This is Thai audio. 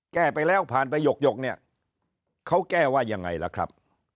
แก้ไปแล้วผ่านไปหยกเนี่ยเขาแก้ว่ายังไงล่ะครับ